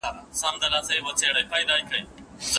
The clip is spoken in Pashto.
آیا هغې د پلار په کور کې هم خدمت کوونکي لرل؟